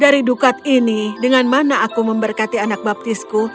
dari dukat ini dengan mana aku memberkati anak baptisku